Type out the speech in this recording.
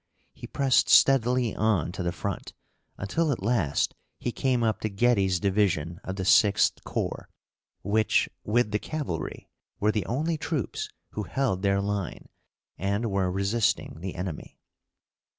He pressed steadily on to the front, until at last he came up to Getty's division of the 6th Corps, which, with the cavalry, were the only troops who held their line and were resisting the enemy.